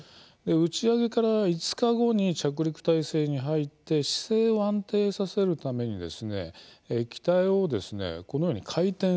打ち上げから５日後に着陸態勢に入って姿勢を安定させるために機体をこのように回転させるんですね。